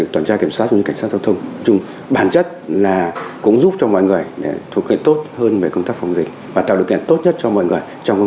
tình trạng chống người thi hành công vụ đã xảy ra tại nhiều địa phương trong thời gian qua